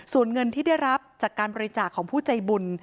ส่วนเงินที่ได้รับจากการบริจาคของผู้ใจบุญ